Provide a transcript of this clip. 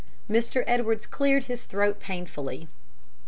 Mr. Edwards cleared his throat painfully.